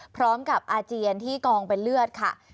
อาเจียนที่กองเป็นเลือดค่ะ